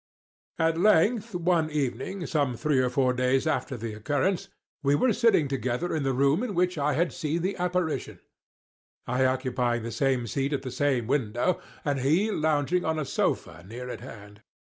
At length, one evening, some three or four days after the occurrence, we were sitting together in the room in which I had seen the apparition—I occupying the same seat at the same window, and he lounging on a sofa near at hand.